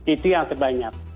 itu yang terbanyak